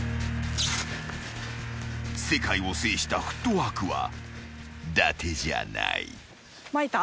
［世界を制したフットワークはだてじゃない］まいた？